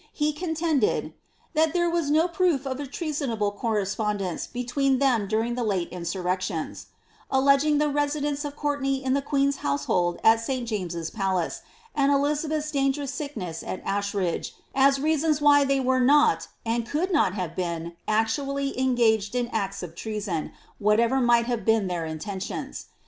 He con tended ^ that there was no proof of a treasonable correspondence between them during the late insurrections,^' alleging the resilience of Courtenay io the queen's household at St. James's palace, and Elizabeth's dangerous lickness at Asheridge, as reasons why they were not, and could not have been actually engaged in acts of treason, whatever might have been their iolentions.